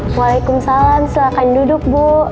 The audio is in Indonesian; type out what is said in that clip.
waalaikumsalam silahkan duduk bu